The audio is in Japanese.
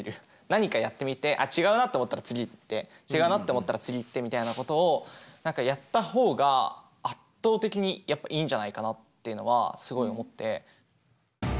何かやってみてああ違うなって思ったら次行って違うなと思ったら次行ってみたいなことを何かやった方が圧倒的にやっぱいいんじゃないかなっていうのはすごい思って。